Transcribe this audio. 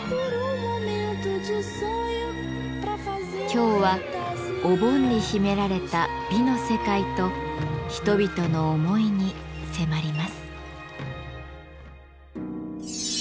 今日はお盆に秘められた美の世界と人々の思いに迫ります。